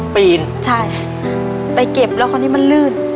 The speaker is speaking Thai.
ปีนใช่ไปเก็บแล้วคราวนี้มันลื่น